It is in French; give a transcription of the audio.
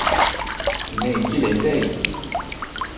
Mais qu’il essaye !